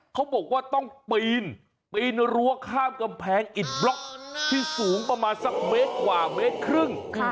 เขาบอกว่าต้องปีนปีนรั้วข้ามกำแพงอิดบล็อกที่สูงประมาณสักเมตรกว่าเมตรครึ่ง